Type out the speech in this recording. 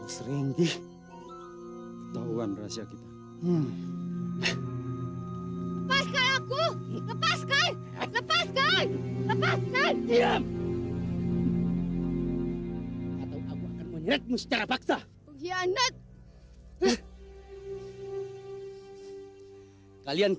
tontonan ini pasti menarik